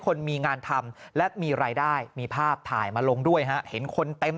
คนมีงานทำและมีรายได้มีภาพถ่ายมาลงด้วยฮะเห็นคนเต็ม